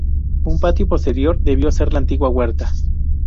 Un patio posterior debió ser la antigua huerta.